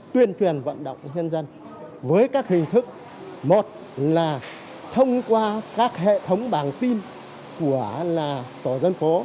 tuyên truyền vận động nhân dân với các hình thức một là thông qua các hệ thống bảng tin của tổ dân phố